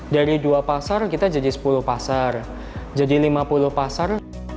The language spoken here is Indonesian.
dari dua pasar kita jadi sepuluh pasar jadi lima puluh pasar